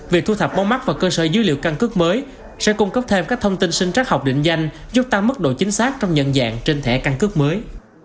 việc thu thập mông mắt vào cơ sở dữ liệu căn cước mới sẽ cung cấp thêm các thông tin sinh trách học định danh giúp tăng mức độ chính xác trong nhận dạng trên thẻ căn cước mới